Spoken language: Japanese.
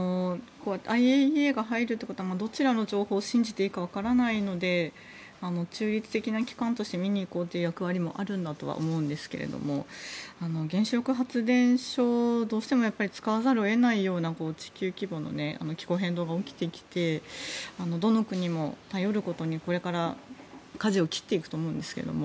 ＩＡＥＡが入るということはどちらの情報を信じていいのかわからないので中立的な機関として見に行こうという役割もあるんだとは思うんですが原子力発電所をどうしても使わざるを得ないような地球規模の気候変動が起きてきてどの国も頼ることにこれからかじを切っていくことになると思うんですけど。